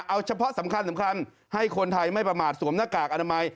เอาเฉพาะสำคัญให้คนไทยไม่ประมาทสวมหน้ากากอนามัย